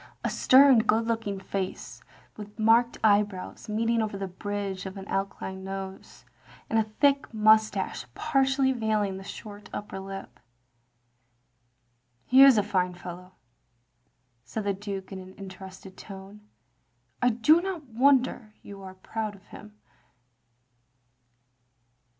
A stem good looking face; with marked eye brows meeting over the bridge of an aquiline nose, and a thick moustache partially veiling the short upper lip. " He is a fine fellow, " said the Duke in interested tones. " I do not wonder you are proud of him.